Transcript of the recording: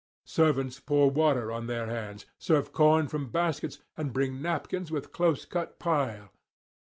Servants pour water on their hands, serve corn from baskets, and bring napkins with close cut pile.